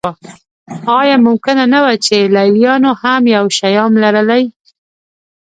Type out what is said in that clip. ایا ممکنه نه وه چې لېلیانو هم یو شیام لرلی.